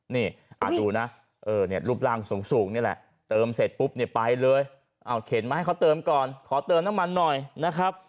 นี่ดูนะรูปร่างสูงนี่แหละเติมเสร็จปุ๊บเนี่ยไปเลยเอาเข็นมาให้เขาเติมก่อนขอเติมน้ำมันหน่อยนะครับ